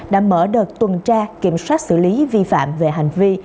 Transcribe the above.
đã mở đợt tuần tra kiểm soát xử lý vi phạm về hành vi